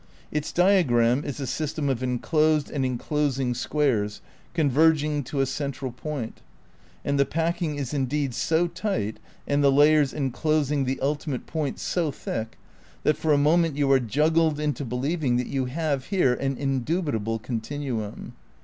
Its diagram is a system of enclosed and enclosing squares converging to a central point, and the packing is indeed so tight and the layers enclosing the ultimate point so thick that for a moment you are juggled into believing that you have here an indubitable continuum.